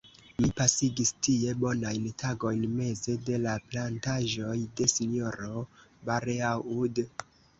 Mi pasigis tie bonajn tagojn meze de la plantaĵoj de S-ro Bareaud.